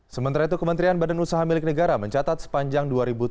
sementara itu kementerian badan usaha milik negara mencatat sepanjang dua ribu tujuh belas